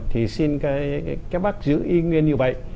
thì xin các bác giữ ý nguyên như vậy